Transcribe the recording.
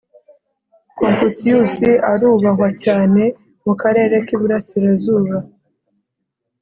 confucius arubahwa cyane mu karere k’iburasirazuba